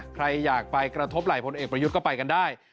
ใครอยากไปกระทบไหลพลเอกประยุทธ์ก็ไปกันได้